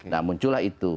nah muncul lah itu